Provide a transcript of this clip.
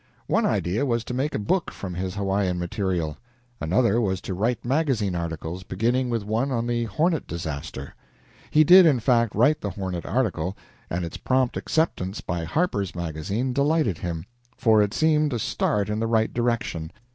One idea was to make a book from his Hawaiian material. Another was to write magazine articles, beginning with one on the Hornet disaster. He did, in fact, write the Hornet article, and its prompt acceptance by "Harper's Magazine" delighted him, for it seemed a start in the right direction.